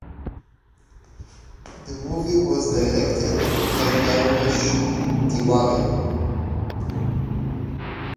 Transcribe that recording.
The movie was directed by Dharmesh Tiwari.